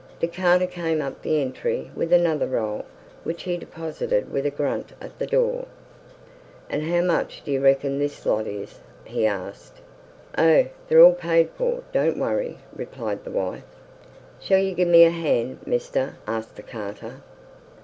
The carter came up the entry with another roll, which he deposited with a grunt at the door. "An' how much do you reckon this lot is?" he asked. "Oh, they're all paid for, don't worry," replied the wife. "Shall yer gi'e me a hand, mester?" asked the carter.